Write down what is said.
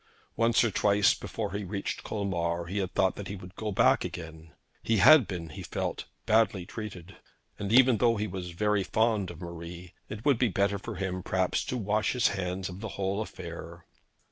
Once or twice before he reached Colmar he had thought that he would go back again. He had been, he felt, badly treated; and, though he was very fond of Marie, it would be better for him perhaps to wash his hands of the whole affair.